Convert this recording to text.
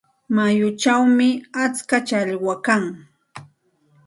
Mayuchawmi atska challwa kan.